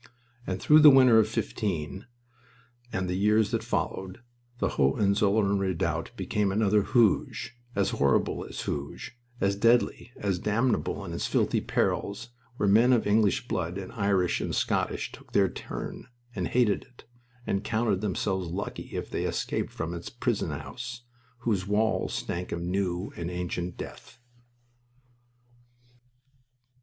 And through the winter of '15, and the years that followed, the Hohenzollern redoubt became another Hooge, as horrible as Hooge, as deadly, as damnable in its filthy perils, where men of English blood, and Irish, and Scottish, took their turn, and hated it, and counted themselves lucky if they escaped from its prison house, whose walls stank of new and ancient death.